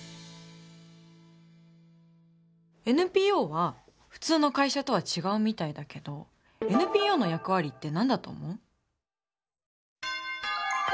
ＮＰＯは普通の会社とは違うみたいだけどＮＰＯの役割って何だと思う？